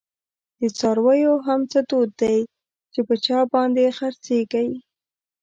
دڅارویو هم څه دود وی، چی په چا باندی خرڅیږی